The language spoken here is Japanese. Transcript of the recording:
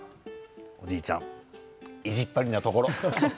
おじいちゃん意地っ張りなところ。